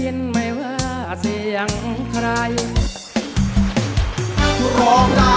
โอ้โฮ